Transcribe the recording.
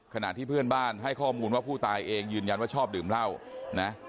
ขณะที่เพื่อนบ้านให้ข้อมูลว่าผู้ตายเองยืนยันว่าชอบดื่มเหล้านะ